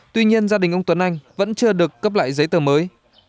tuy nhiên gia đình ông tuấn anh vẫn chưa được cấp lại giấy tờ mới